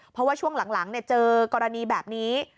เพราะว่าช่วงหลังเจอกรณีแบบนี้